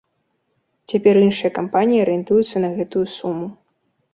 Цяпер іншыя кампаніі арыентуюцца на гэтую суму.